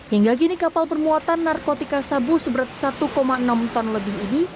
hingga kini kapal bermuatan narkotika sabu seberat satu enam ton lebih ini